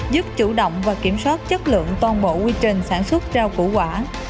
giúp chủ động và kiểm soát chất lượng toàn bộ quy trình sản xuất rau củ quả